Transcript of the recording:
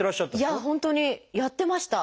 いや本当にやってました。